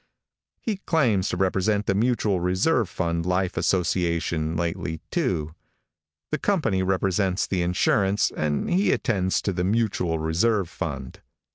He claims to represent the Mutual Reserve Fund Life Association lately, too. The company represents the Insurance and he attends to the Mutual Reserve Fund.